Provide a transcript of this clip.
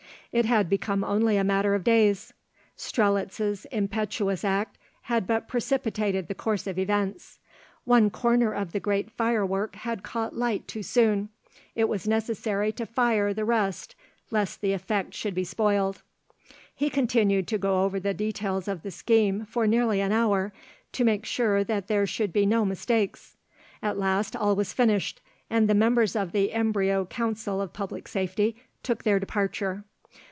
It had become only a matter of days; Strelitz's impetuous act had but precipitated the course of events. One corner of the great firework had caught light too soon; it was necessary to fire the rest lest the effect should be spoiled. He continued to go over the details of the scheme for nearly an hour, to make sure that there should be no mistakes. At last all was finished, and the members of the embryo Council of Public Safety took their departure.